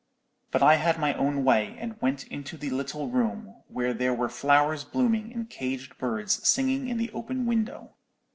But I had my own way, and went into the little room, where there were flowers blooming and caged birds singing in the open window.